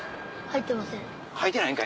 入ってません。